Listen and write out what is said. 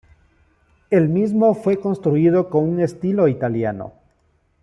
El mismo fue construido con un estilo italiano.